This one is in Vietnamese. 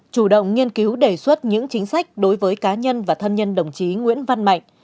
chủ động nghiên cứu đề xuất những chính sách đối với cá nhân và thân nhân đồng chí nguyễn văn mạnh